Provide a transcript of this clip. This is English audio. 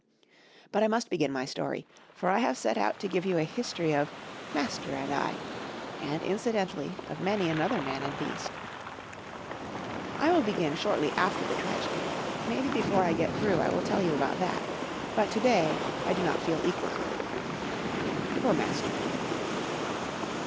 But I must begin my story, for I have set out to give you a history of "Master and I" and, incidentally, of many another man and beast. I will begin shortly after the tragedy; maybe before I get through I will tell you about that, but to day I do not feel equal to it. Poor Master!